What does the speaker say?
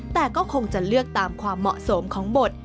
แต่ก็คงจะเลือกตามความเหมาะสมของบท